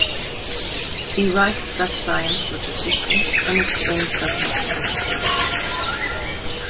He writes that science was a distant, unexplained subject at school.